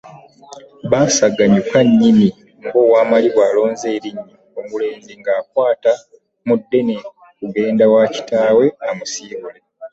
Baasaganyuka nnyini ng’owamaliba alonze erinnyo, omulenzi ng’akwata mu ddene kugenda wa kitaawe amusiibule.